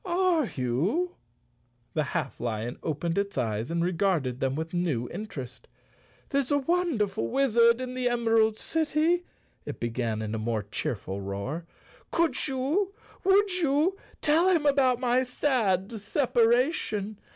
"Are you?" The half lion opened its eyes and re¬ garded them with new interest. "There's a wonder¬ ful wizard in the Emerald City," it began in a more cheerful roar. " Could you, would you, tell him about my sad separation?